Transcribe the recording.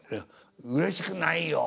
うれしくないよ。